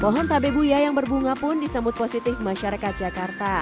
pohon tabebuya yang berbunga pun disambut positif masyarakat jakarta